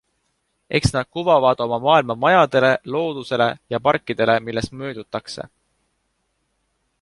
Eks nad kuvavad oma maailma majadele, loodusele ja parkidele, millest möödutakse.